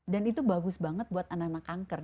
dan itu bagus banget buat anak anak kanker